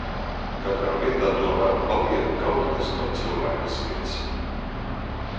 Katrā vietā tomēr paliek kaut kas no cilvēka sirds.